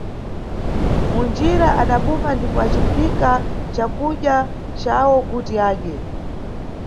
Munjira adapuma ndipo aciphika cakudya cawo kuti adye.